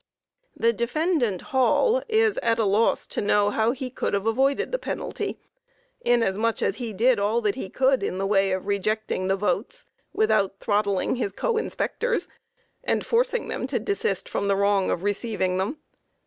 The defendant, HALL, is at a loss to know how he could have avoided the penalty, inasmuch as he did all that he could in the way of rejecting the votes, without throttling his co inspectors, and forcing them to desist from the wrong of receiving them.